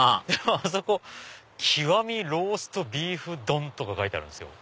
あそこ「極みローストビーフ丼」書いてあるんですよ。